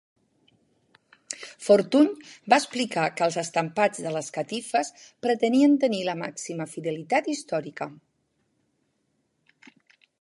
Fortuny va explicar que els estampats de les catifes pretenien tenir la màxima fidelitat històrica.